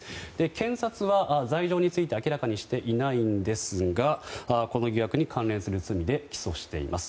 検察は罪状について明らかにしていないんですがこの疑惑に関連する罪で起訴しています。